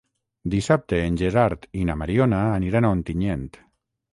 Dissabte en Gerard i na Mariona aniran a Ontinyent.